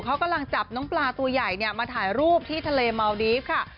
เขากำลังจับน้องปลาตัวใหญ่มาถ่ายรูปที่ทะเลเมาดีฟค่ะ